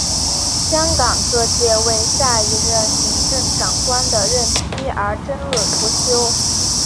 香港各界为下一任行政长官的任期而争论不休。